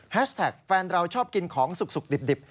แท็กแฟนเราชอบกินของสุกดิบ